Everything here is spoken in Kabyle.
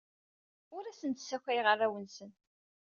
Ur asen-d-ssakayeɣ arraw-nsen.